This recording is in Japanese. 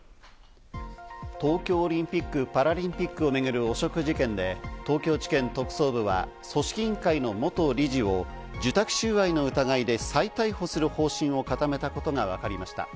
東京オリンピック・パラリンピックを巡る汚職事件で、東京地検特捜部は組織委員会の元理事を受託収賄の疑いで再逮捕する方針を固めたことがわかりました。